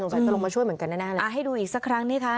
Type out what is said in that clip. จะลงมาช่วยเหมือนกันแน่เลยให้ดูอีกสักครั้งนี่คะ